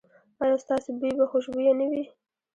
ایا ستاسو بوی به خوشبويه نه وي؟